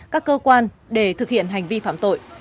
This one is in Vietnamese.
các cơ quan để thực hiện hành vi phạm tội